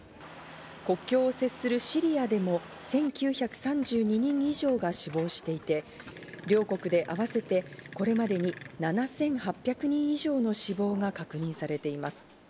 国境を接するシリアでも１９３２人以上が死亡していて、両国で合わせて、これまでに７８００人以上の死亡が確認されています。